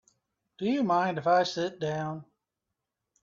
Do you mind if I sit down?